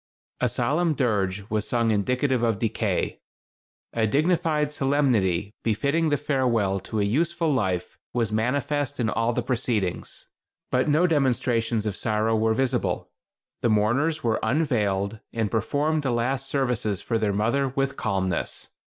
A solemn dirge was sung indicative of decay. A dignified solemnity befitting the farewell to a useful life was manifest in all the proceedings; but no demonstrations of sorrow were visible. The mourners were unveiled, and performed the last services for their mother with calmness.